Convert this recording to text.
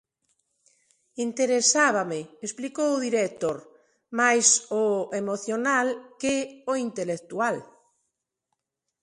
"Interesábame", explicou o director, máis o "emocional" que o "intelectual".